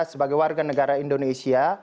sebagai warga negara indonesia